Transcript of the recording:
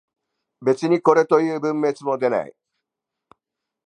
別にこれという分別も出ない